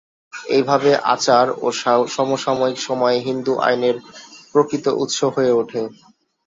এইভাবে, আচার আরও সমসাময়িক সময়ে হিন্দু আইনের প্রকৃত উৎস হয়ে ওঠে।